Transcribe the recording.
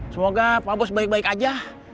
semoga pak bos baik baik aja